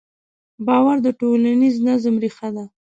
باور د ټولنیز نظم ریښه ده.